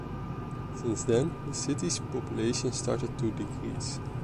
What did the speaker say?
Since then, the city’s population started to decrease.